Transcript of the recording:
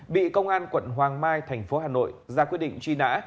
bị công an quận hoàng mai thành phố hà nội ra quyết định truy nã